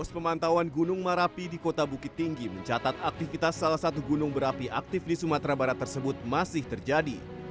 pemantauan gunung marapi di kota bukit tinggi mencatat aktivitas salah satu gunung berapi aktif di sumatera barat tersebut masih terjadi